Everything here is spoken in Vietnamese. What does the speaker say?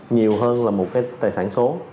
nhiều hơn là một cái tài sản số